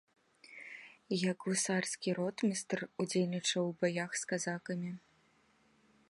Як гусарскі ротмістр удзельнічаў у баях з казакамі.